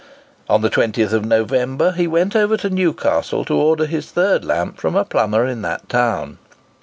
On the 20th November he went over to Newcastle to order his third lamp from a plumber in that town.